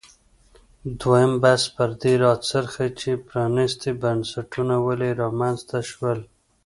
دویم بحث پر دې راڅرخي چې پرانیستي بنسټونه ولې رامنځته شول.